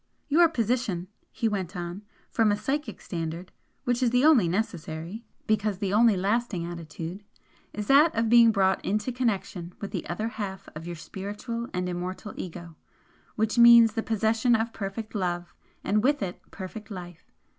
"Your position," he went on "from a psychic standard, which is the only necessary, because the only lasting attitude, is that of being brought into connection with the other half of your spiritual and immortal Ego, which means the possession of perfect love, and with it perfect life.